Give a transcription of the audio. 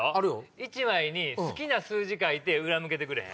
１枚に好きな数字書いて裏向けてくれへん？